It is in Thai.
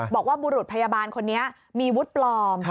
บุรุษพยาบาลคนนี้มีวุฒิปลอม